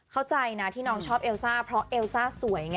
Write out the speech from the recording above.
เข้าใจนะที่น้องชอบเอลซ่าเพราะเอลซ่าสวยไง